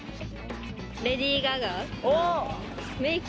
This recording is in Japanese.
レディー・ガガ。